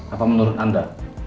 apa menurut anda